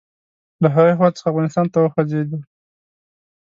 له هغه هیواد څخه افغانستان ته وخوځېدی.